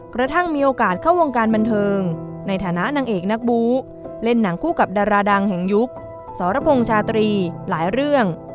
กระทั่งมีโอกาสเข้าวงการบันเทิงในฐานะนางเอกนักบูเล่นหนังคู่กับดาราดังแห่งยุคสรพงษ์ชาตรีหลายเรื่อง